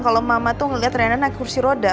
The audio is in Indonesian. kalo mama tuh ngelihat rina naik kursi roda